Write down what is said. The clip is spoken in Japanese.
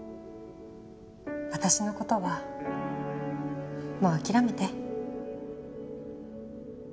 私の事はもう諦めて。